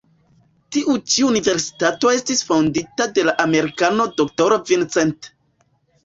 Tiu ĉi universitato estis fondita de la Amerikano D-ro Vincent.